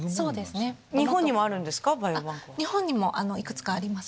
日本にもいくつかあります。